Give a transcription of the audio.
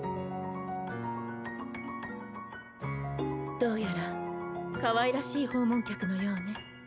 どうやらかわいらしい訪問客のようね。